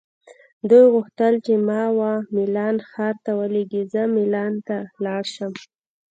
دوی غوښتل چې ما وه میلان ښار ته ولیږي، زه مېلان ته لاړ شم.